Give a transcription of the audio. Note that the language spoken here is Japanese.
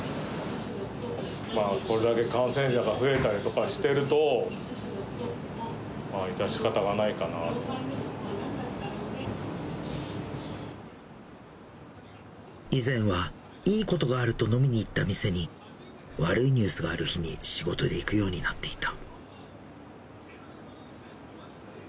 これだけ感染者が増えたりとかしてると、以前は、いいことがあると飲みに行った店に、悪いニュースがある日に、仕事で行くようになっていた。